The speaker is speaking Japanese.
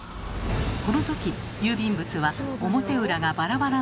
この時郵便物は表裏がバラバラの状態。